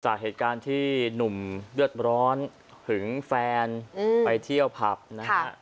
จากเหตุการณ์ที่หนุ่มเลือดร้อนหึงแฟนไปเที่ยวผับนะฮะ